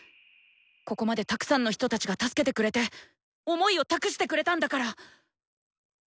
ここまでたくさんの人たちが助けてくれて想いを託してくれたんだから。